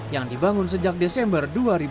yang dibangun sejak desember dua ribu tujuh belas